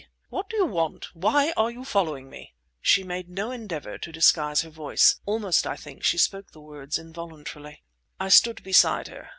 "What do you want? Why are you following me?" She made no endeavour to disguise her voice. Almost, I think, she spoke the words involuntarily. I stood beside her.